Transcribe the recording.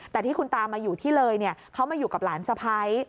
แต่ที่คุณตามาอยู่ที่เลยเขามาอยู่กับหลานสะพ้าย